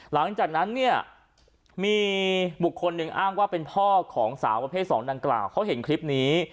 หลังจากนั้นเนี่ยมีบุคคลหนึ่งอ้างว่าเป็นพ่อของสาวประเภท๒ดังกล่าวเขาเห็นคลิปนี้